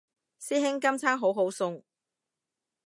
師兄今餐好好餸